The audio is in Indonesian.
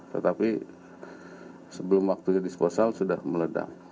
tetapi sebelum waktu didisposal sudah meledak